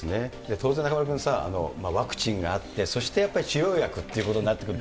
当然中丸君さ、ワクチンがあって、そしてやっぱり治療薬っていうことになってくる。